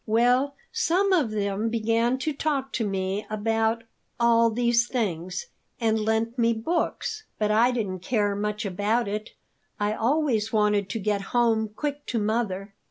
Well, some of them began to talk to me about all these things, and lent me books. But I didn't care much about it; I always wanted to get home quick to mother.